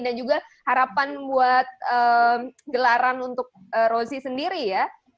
dan juga harapan buat gelaran untuk rossi sendiri ya